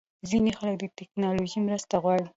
ځینې خلک د ټېکنالوژۍ مرسته غواړي.